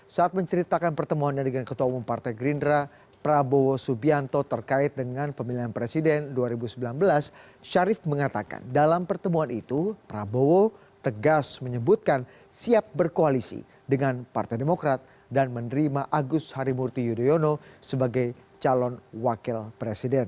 saat menceritakan pertemuan dengan ketua umum partai gerindra prabowo subianto terkait dengan pemilihan presiden dua ribu sembilan belas syarif mengatakan dalam pertemuan itu prabowo tegas menyebutkan siap berkoalisi dengan partai demokrat dan menerima agus harimurti yudhoyono sebagai calon wakil presiden